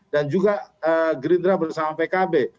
dan juga gerindera bersama pkb